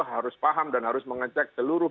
harus paham dan harus mengecek seluruh